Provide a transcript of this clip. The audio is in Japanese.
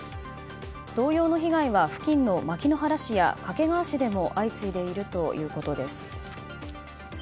同様の被害は付近の牧之原市や掛川市でも相次いでいるということです。